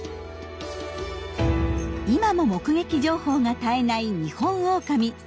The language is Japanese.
今も目撃情報が絶えないニホンオオカミ。